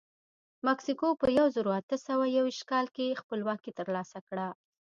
مکسیکو په یو زرو اته سوه یوویشت کال کې خپلواکي ترلاسه کړه.